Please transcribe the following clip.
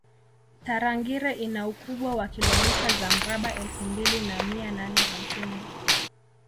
tarangire ina ukubwa wa kilomita za mraba elfu mbili na mia nane hamsini